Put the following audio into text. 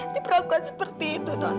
diperlakukan seperti itu non